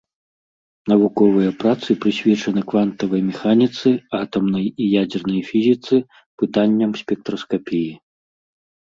Навуковыя працы прысвечаны квантавай механіцы, атамнай і ядзернай фізіцы, пытанням спектраскапіі.